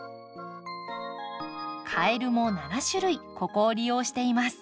カエルも７種類ここを利用しています。